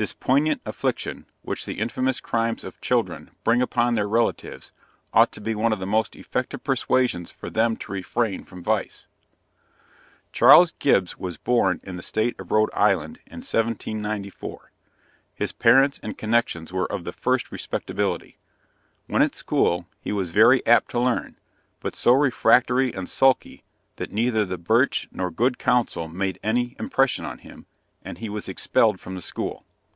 The poignant affliction which the infamous crimes of children bring upon their relatives ought to be one of the most effective persuasions for them to refrain from vice. Charles Gibbs was born in the state of Rhode Island, in 1794; his parents and connexions were of the first respectability. When at school, he was very apt to learn, but so refractory and sulky, that neither the birch nor good counsel made any impression on him, and he was expelled from the school.